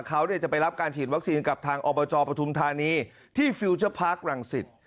เขาจะไปรับการฉีดวัคซีนกับทางอบจปฐุมธานีที่ฟิลเจอร์พาร์ครังสิต